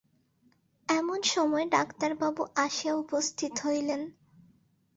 এমন সময় ডাক্তারবাবু আসিয়া উপস্থিত হইলেন।